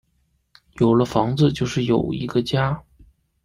有了房子就是有一个家